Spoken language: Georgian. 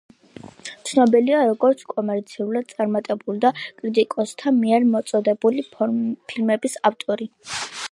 ცნობილია როგორც კომერციულად წარმატებული და კრიტიკოსთა მიერ მოწონებული ფილმების ავტორი.